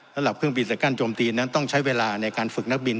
สำหรับเครื่องบินสกั้นโจมตีนั้นต้องใช้เวลาในการฝึกนักบิน